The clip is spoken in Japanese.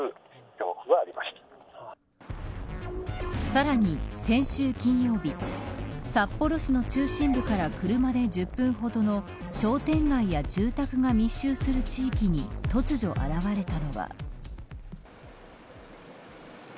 さらに、先週金曜日札幌市の中心部から車で１０分ほどの商店街や住宅が密集する地域に突如現れたのは。